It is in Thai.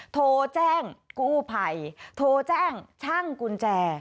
โทรแจ้งกู้ภัยโทรแจ้งช่างกุญแจ